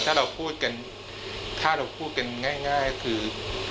ถ้าเราพูดกันถ้าเราพูดกันง่ายคือ